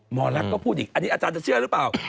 หมอลักษณ์ก็พูดอีกอันนี้อาจารย์จะเชื่อหรือเปล่า